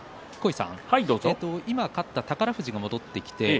今、勝った宝富士戻ってきました。